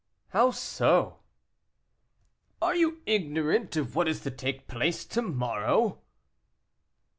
"How so?" "Are you ignorant of what is to take place to morrow?"